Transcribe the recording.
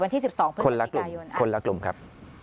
วันที่สิบสองคนละกลุ่มคนละกลุ่มครับ